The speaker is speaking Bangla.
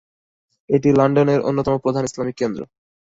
এটি লন্ডনের অন্যতম প্রধান ইসলামিক কেন্দ্র।